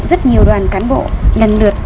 rất nhiều đoàn cán bộ lần lượt